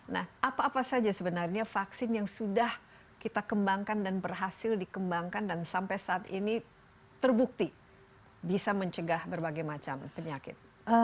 nah apa apa saja sebenarnya vaksin yang sudah kita kembangkan dan berhasil dikembangkan dan sampai saat ini terbukti bisa mencegah berbagai macam penyakit